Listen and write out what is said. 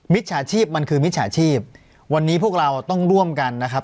จฉาชีพมันคือมิจฉาชีพวันนี้พวกเราต้องร่วมกันนะครับ